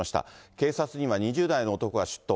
警察には２０代の男が出頭。